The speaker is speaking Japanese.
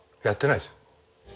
やってないですよ。